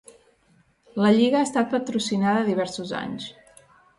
La lliga ha estat patrocinada diversos anys.